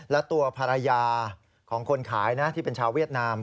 และตัวภรรยาของคนขายนะที่เป็นชาวเวียดนาม